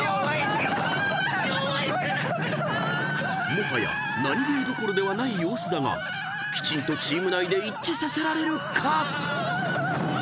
［もはやナニゲーどころではない様子だがきちんとチーム内で一致させられるか］